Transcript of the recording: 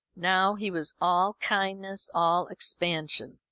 Now he was all kindness, all expansion.